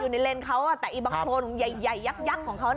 อยู่ในเลนเขาอ่ะแต่อีบังโกนของใหญ่ใหญ่ยักษ์ยักษ์ของเขาน่ะ